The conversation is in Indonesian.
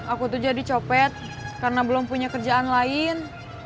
aku tuh jadi copet karena belum punya kerjaan lain